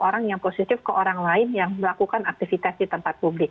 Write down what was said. orang yang positif ke orang lain yang melakukan aktivitas di tempat publik